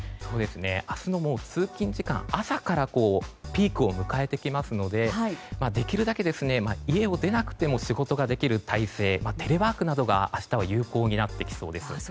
明日の通勤時間朝からピークを迎えますのでできるだけ家を出なくても仕事ができる体制テレワークなどが明日は有効になってきそうです。